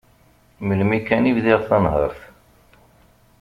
Melmi kan i bdiɣ tanhert.